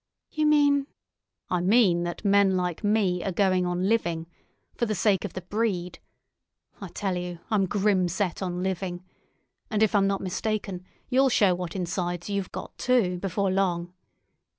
"You mean——" "I mean that men like me are going on living—for the sake of the breed. I tell you, I'm grim set on living. And if I'm not mistaken, you'll show what insides you've got, too, before long.